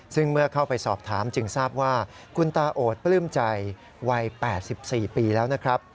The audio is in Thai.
ซึ่งเมื่อเข้าไปสอบถามจึงทราบว่าคุณตาโอดปลื้มใจวัย๘๔ปีแล้วนะครับ